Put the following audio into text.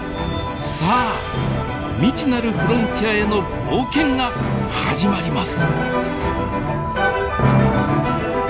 さあ未知なるフロンティアへの冒険が始まります。